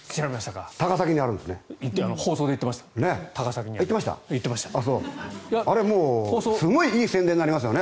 高崎にあるんですね。